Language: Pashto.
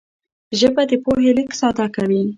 ژبه د پوهې لېږد ساده کوي